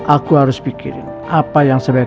aku harus berpikir dengan percaya sama dia